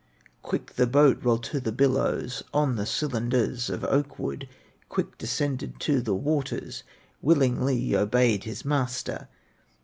Quick the boat rolled to the billows On the cylinders of oak wood, Quick descended to the waters, Willingly obeyed his master.